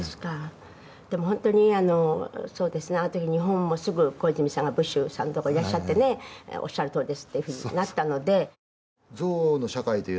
でも、本当にあの時日本もすぐ小泉さんがブッシュさんのところにいらっしゃっておっしゃるとおりですとなったので。